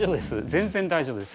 全然大丈夫です。